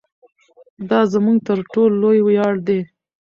دا زموږ تر ټولو لوی ویاړ دی.